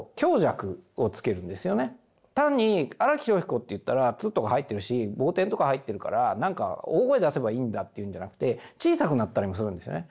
単に荒木飛呂彦といったら「ッ」とか入ってるし傍点とか入ってるから何か大声出せばいいんだっていうんじゃなくて小さくなったりもするんですよね。